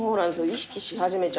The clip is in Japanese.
意識し始めちゃって。